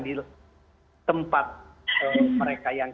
di tempat mereka yang